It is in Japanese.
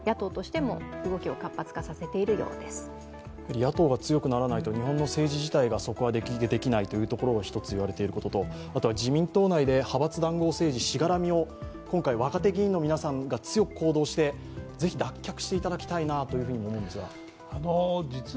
野党が強くならないと日本の政治自体が底上げできないというところが一つ言われているところとあとは自民党内で派閥談合政治、しがらみを今回若手議員の皆さんが強く行動して、ぜひ脱却していただきたいと思うんですが。